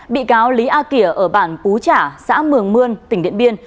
bị cáo lý a kỷa ở bản pú trả xã mường mươn tỉnh điện biên